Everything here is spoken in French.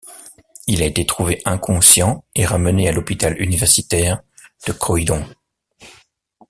Il a été trouvé inconscient et ramené à l'hôpital universitaire de Croydon.